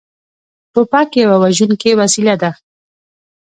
توپک یوه وژونکې وسلې ده.